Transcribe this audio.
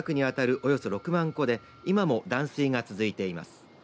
およそ６万戸で今も断水が続いています。